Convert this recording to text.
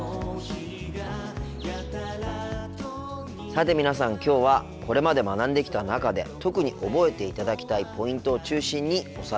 さて皆さんきょうはこれまで学んできた中で特に覚えていただきたいポイントを中心におさらいしています。